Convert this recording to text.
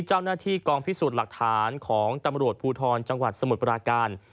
เจ้าหน้าที่กองพิสูจน์หลักฐานของตำรวจภูทรจังหวัดสมุทรปราการ